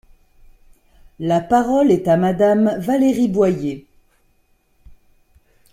La parole est à Madame Valérie Boyer.